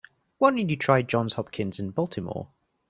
Why don't you try Johns Hopkins in Baltimore?